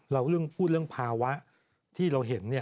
เรื่องพูดเรื่องภาวะที่เราเห็น